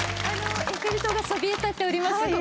あのエッフェル塔がそびえ立っております